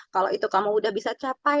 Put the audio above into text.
kalau itu kamu udah bisa capai